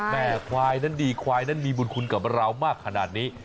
แม่ควายนั้นดีควายนั้นมีบุญคุณกับเรามากขนาดนี้